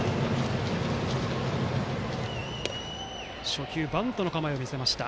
初球、バントの構えを見せました